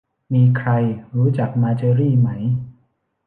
มีใครรู้จักมาเจอรี่ไหม